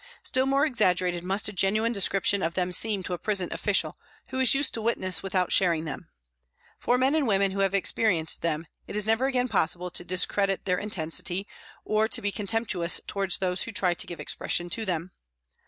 Still more exaggerated must a genuine description of them seem to a prison official who is used to witness without sharing them. For men and women who have experienced them, it is never again possible to discredit their intensity or to be contemptuous towards those who try to give expression to them.